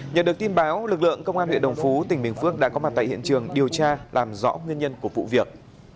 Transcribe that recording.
nhận được tin báo lực lượng công an huyện đồng phú tỉnh bình phước đã có mặt tại hiện trường điều tra làm rõ nguyên nhân của vụ việc